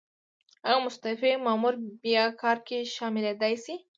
ایا مستعفي مامور بیا کار کې شاملیدای شي؟